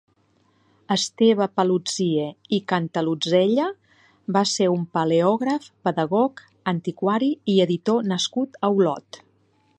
Esteve Paluzie i Cantalozella va ser un paleògraf, pedagog, antiquari i editor nascut a Olot.